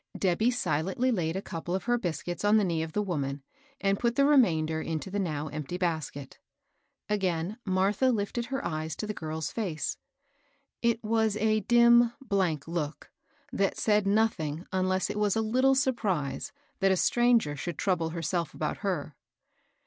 Debby silently laid a couple of her biscuits on th» knee of the woman, and put the remainder into the now empty basket. Again Martha lifted her eyes to the girl's face. It was a dim, blank look, that said nothing unless it was a little surprise that a stranger should trouble herself about her.